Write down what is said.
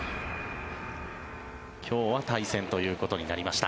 今日は対戦ということになりました。